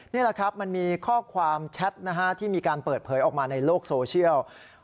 นี่แหละครับมันมีข้อความแชทที่มีการเปิดเผยออกมาในโลกโซเชียล